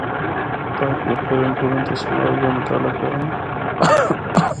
تاکہ او پھرّن ٹرّن تے سماج دا مطالع کرّن۔